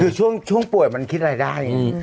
คือช่วงป่วยมันคิดอะไรได้